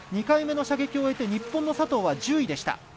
２回目の射撃を終えて日本の佐藤は１０位。